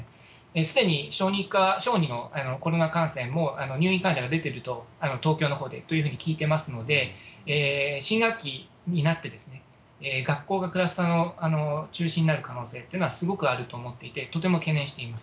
すでに小児のコロナ感染も入院患者が出てると、東京のほうでというふうに聞いてますので、新学期になって、学校がクラスターの中心になる可能性っていうのは、すごくあると思っていて、とても懸念しています。